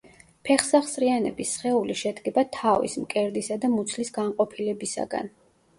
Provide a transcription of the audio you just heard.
ფეხსახსრიანების სხეული შედგება თავის, მკერდისა და მუცლის განყოფილებისაგან.